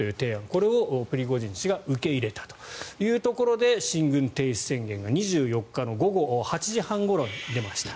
これをプリゴジン氏が受け入れたというところで進軍停止宣言が２４日の午後８時半ごろに出ました。